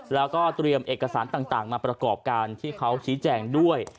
แล้วก็เตรียมเอกสารต่างมาประกอบการที่เขาชี้แจงด้วย